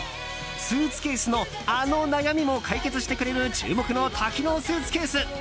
スーツケースのあの悩みも解決してくれる注目の多機能スーツケース。